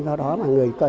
do đó mà người dân có thể